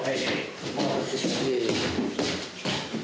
お待たせしました。